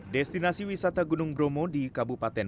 destinasi wisata gunung bromo di kabupaten